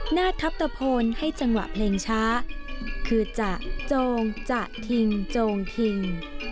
หน้าทัพตะโพนให้จังหวะเพลงช้าคือจะโจงจะทิ้งโจงทิ้ง